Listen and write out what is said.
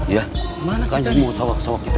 ya kan semua sawah sawah kita